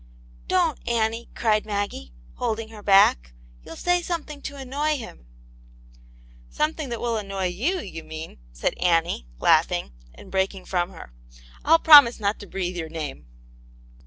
" Don't, Annie ;" cried Maggie, holding her back ;" you'll say something to annoy him," " Something that will annoy you, you mean," said Annie, laughing, and breaking from her. " I'll promise not to breathe your name."